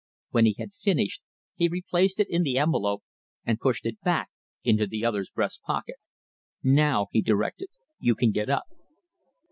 When he had finished, he replaced it in the envelope and pushed it back into the other's breast pocket. "Now," he directed, "you can get up."